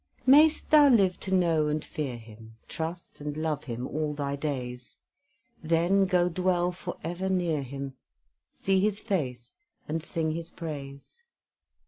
Mayst thou live to know and fear Him, Trust and love Him all thy days; Then go dwell forever near Him, See His face, and sing His praise!